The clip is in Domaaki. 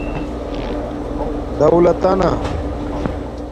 دݸلتناہ